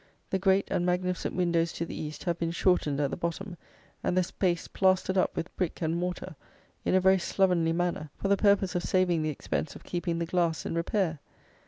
The great and magnificent windows to the east have been shortened at the bottom, and the space plastered up with brick and mortar, in a very slovenly manner, for the purpose of saving the expense of keeping the glass in repair.